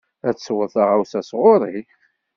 Ad tesweḍ taɣawsa sɣur-i?